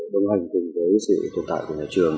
đồng hành cùng với sự tồn tại của nhà trường